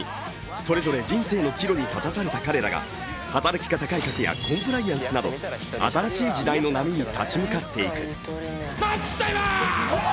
それぞれ人生の岐路に立たされた彼らが働き方改革やコンプライアンスなど新しい時代の波に立ち向かっていく。